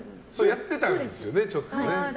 やってたんですよね、ちょっと。